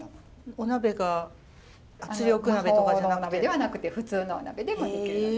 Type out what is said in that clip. お鍋が圧力鍋とかじゃなくて普通のお鍋でもできるので。